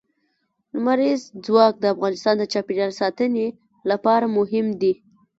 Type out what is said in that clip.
لمریز ځواک د افغانستان د چاپیریال ساتنې لپاره مهم دي.